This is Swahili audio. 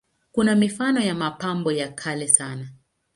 Kuna mifano ya mapambo ya kale sana.